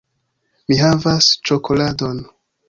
"Mi havas ĉokoladon!"